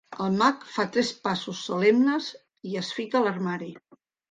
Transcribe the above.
El mag fa tres passos solemnes i es fica a l'armari.